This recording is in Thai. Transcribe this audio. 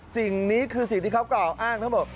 สิ่งนี้คือสิ่งที่เขากล่าวอ้างทั้งหมด